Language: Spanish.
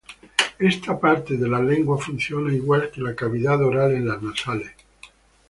Esta parte de la lengua funciona igual que la cavidad oral en las nasales.